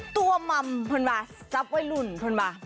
ตัวมัมพอล่ะทรัพย์ไว้รุ่นพอล่ะ